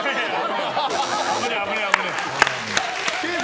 危ない危ない。